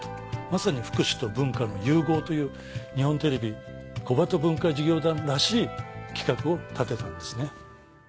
まさに福祉と文化の融合という日本テレビ小鳩文化事業団らしい企画を立てたんですね。